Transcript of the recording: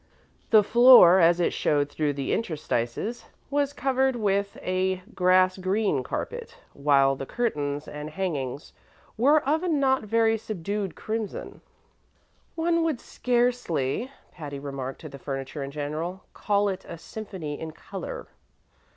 The floor, as it showed through the interstices, was covered with a grass green carpet, while the curtains and hangings were of a not very subdued crimson. "One would scarcely," Patty remarked to the furniture in general, "call it a symphony in color."